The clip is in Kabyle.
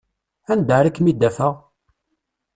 Anda ara kem-id-afeɣ?